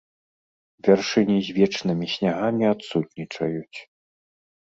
Вяршыні з вечнымі снягамі адсутнічаюць.